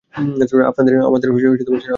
আমাদের ছাড়াছাড়ি হয়ে গেছে।